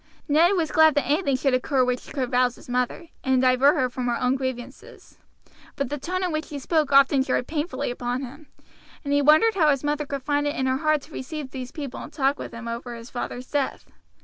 Ned was glad that anything should occur which could rouse his mother, and divert her from her own grievances; but the tone in which she spoke often jarred painfully upon him, and he wondered how his mother could find it in her heart to receive these people and to talk over his father's death.